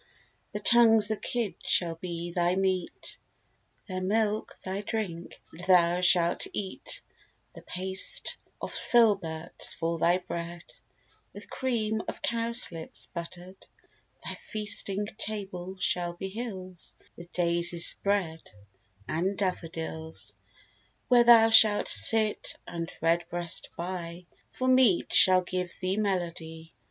The tongues of kids shall be thy meat; Their milk thy drink; and thou shalt eat The paste of filberts for thy bread With cream of cowslips buttered: Thy feasting table shall be hills With daisies spread, and daffadils; Where thou shalt sit, and Red breast by, For meat, shall give thee melody.